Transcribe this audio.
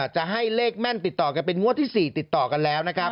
จะให้เลขแม่นติดต่อกันเป็นงวดที่๔ติดต่อกันแล้วนะครับ